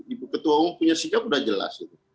ibu ketua umum punya sikap sudah jelas